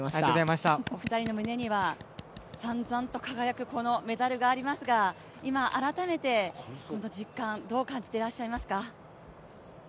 お二人の胸にはさんさんと輝くメダルがありますが今、改めて実感、どう感じていらっしゃいますか。